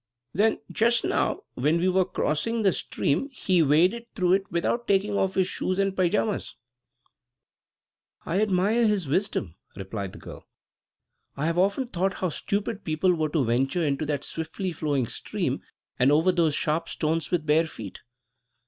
"Then, just now, when we were crossing the stream, he waded through it without taking off his shoes and paijamas." "I admire his wisdom," replied the girl. "I have often thought how stupid people were to venture into that swiftly flowing stream and over those sharp stones with bare feet.